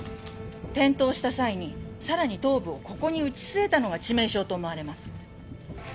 転倒した際にさらに頭部をここに打ち据えたのが致命傷と思われます。